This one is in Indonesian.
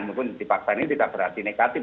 mungkin dipaksa ini tidak berarti negatif